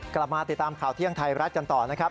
กลับมาติดตามข่าวเที่ยงไทยรัฐกันต่อนะครับ